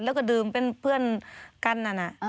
แล้วก็ดื่มเป็นเพื่อนกันนั่น